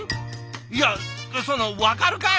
いやその分かるかい！